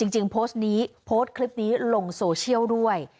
จริงโพสต์นี้โพสต์คลิปนี้ลงโซเชียลด้วย